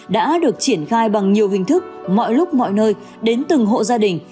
đã được triển khai bằng nhiều hình thức mọi lúc mọi nơi đến từng hộ gia đình